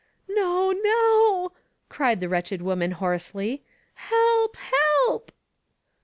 "No, no,*' cried the wretched woman hoarsely. ''Help! help!